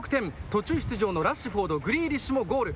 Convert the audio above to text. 途中出場のラッシュフォード、グリーリッシュもゴール。